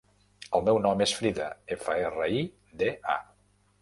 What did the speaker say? El meu nom és Frida: efa, erra, i, de, a.